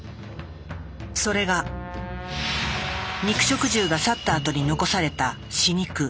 それが肉食獣が去ったあとに残された死肉。